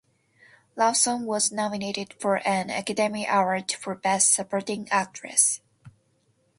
Robson was nominated for an Academy Award for Best Supporting Actress.